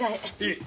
いい。